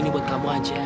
ini buat kamu aja